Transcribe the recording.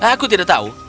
aku tidak tahu